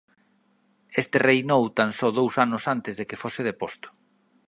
Este reinou tan só dous anos antes de que fose deposto.